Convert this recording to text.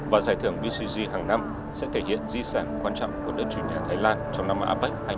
và giải thưởng bcg hàng năm sẽ thể hiện di sản quan trọng của nước chủ nhà thái lan trong năm apec hai nghìn hai mươi